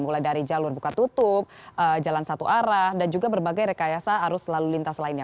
mulai dari jalur buka tutup jalan satu arah dan juga berbagai rekayasa arus lalu lintas lainnya